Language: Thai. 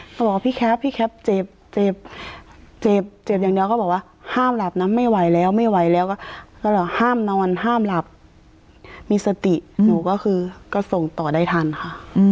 เขาบอกพี่แคปพี่แคปเจ็บเจ็บอย่างเดียวเขาบอกว่าห้ามหลับนะไม่ไหวแล้วไม่ไหวแล้วก็ห้ามนอนห้ามหลับมีสติหนูก็คือก็ส่งต่อได้ทันค่ะ